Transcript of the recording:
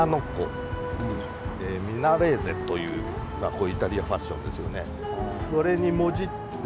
まあこういうイタリアファッションですよね。